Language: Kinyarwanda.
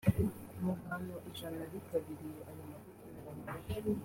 Mu bantu ijana bitabiriye ayo mahugurwa